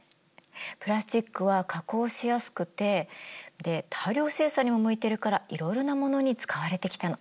プラスチックは加工しやすくてで大量生産にも向いてるからいろいろなものに使われてきたの。